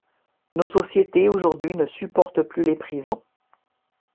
Nos sociétés, aujourd’hui, ne supportent plus les prisons.